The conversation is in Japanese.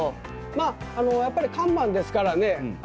まあやっぱり看板ですからね